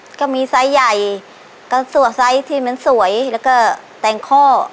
ก็มีไซส์ใหญ่ก็สัวไซส์ที่มันสวยแล้วก็แต่งข้อ